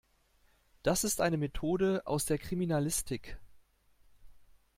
Das ist eine Methode aus der Kriminalistik.